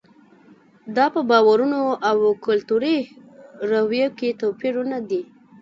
دا په باورونو او کلتوري رویو کې توپیرونه دي.